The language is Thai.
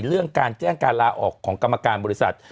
เรื่องการแจ้งการลาออกของกรรมการบริษัท